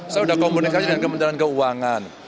saya sudah komunikasi dengan kementerian keuangan